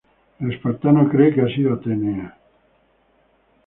El espartano cree que ha sido Atenea.